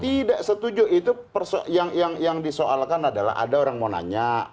tidak setuju itu yang disoalkan adalah ada orang mau nanya